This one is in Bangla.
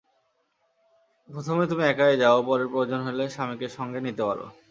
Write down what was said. প্রথমে তুমি একাই যাও, পরে প্রয়োজন হলে স্বামীকে সঙ্গে নিতে পারো।